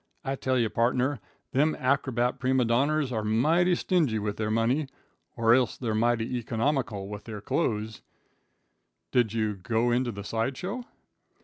I tell you, pardner, them acrobat prima donnars are mighty stingy with their money, or else they're mighty economical with their cloze." "Did you go into the side show?"